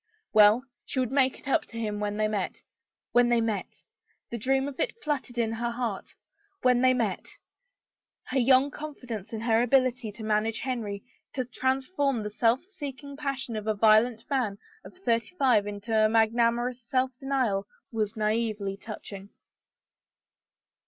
Well, she would make it up to him when they met. When they met! The dream of it fluttered her heart. When they met I Her young confidence in her ability to manage Henry, to transform the self seeking passion of a violent man of thirty five into magnanimous self denial was naively touching.